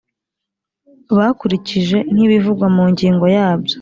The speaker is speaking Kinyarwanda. bakurikije nk'ibivugwa mu ngingo yabyo